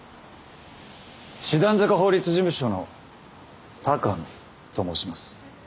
師団坂法律事務所の鷹野と申します。